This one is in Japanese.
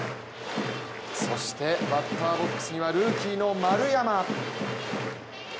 そしてバッターボックスにはルーキーの丸山。